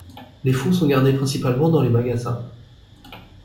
Les fonds sont gardés principalement dans les magasins.